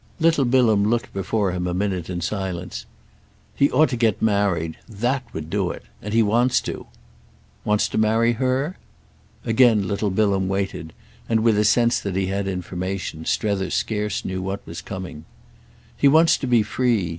Little Bilham looked before him a minute in silence. "He ought to get married. That would do it. And he wants to." "Wants to marry her?" Again little Bilham waited, and, with a sense that he had information, Strether scarce knew what was coming. "He wants to be free.